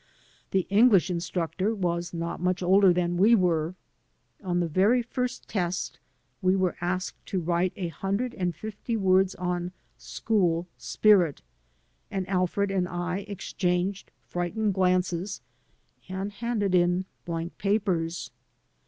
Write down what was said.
The English instructor was not much older than we were. On the very first test we were asked to write a hundred and fifty words on "School Spirit," and Alfred and I exchanged frightened glances and handed in blank papers.